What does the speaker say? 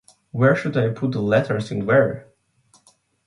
Where should I put the letters in “were”?